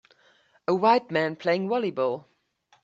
A white man playing volleyball.